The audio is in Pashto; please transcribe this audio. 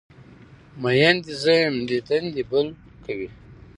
مین دی زه یم دیدن دی بل کوی